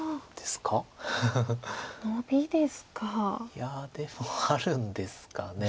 いやでもあるんですかね。